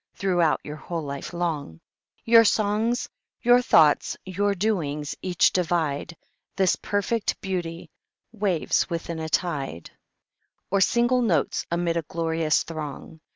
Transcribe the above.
Throughout your whole life long Your songs, your thoughts, your doings, each divide This perfect beauty; waves within a tide, Or single notes amid a glorious throng.